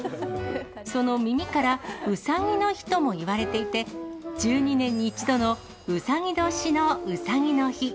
その耳から、うさぎの日ともいわれていて、１２年に１度のうさぎ年のうさぎの日。